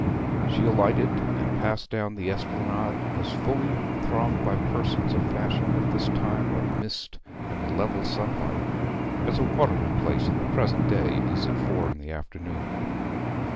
She alighted, and passed down the esplanade, as fully thronged by persons of fashion at this time of mist and level sunlight as a watering place in the present day is at four in the afternoon.